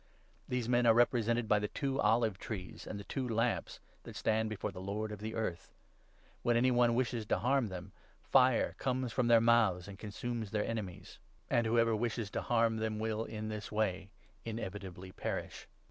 These men are repre sented by ' the two olive trees and the two lamps that stand before the Lord of the earth.' When any one wishes to harm them, ' fire comes from their mouths and consumes their enemies '; and whoever wishes to harm them will, in this way, REVELATION OF JOHN, 11. 509 inevitably perish.